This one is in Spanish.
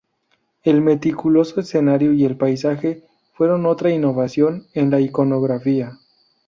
El meticuloso escenario y el paisaje fueron otra innovación en la iconografía.